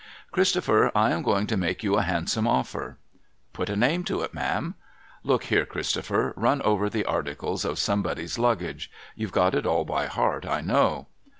' Christopher, I am going to make you a handsome offer.' ' Put a name to it, ma'am.' ' Look here, Christopher. Run over the articles of Somebody's Luggage. You've got it all by heart, I know.'